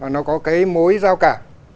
nó có cái mối giao cả